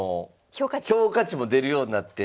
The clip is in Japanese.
評価値も出るようになって。